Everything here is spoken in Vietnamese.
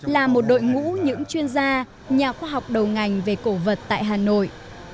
là một đội ngũ những chuyên gia nhà khoa học đầu ngành về cổ vật tại hà nội